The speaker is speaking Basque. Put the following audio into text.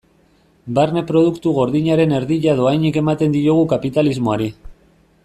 Barne Produktu Gordinaren erdia dohainik ematen diogu kapitalismoari.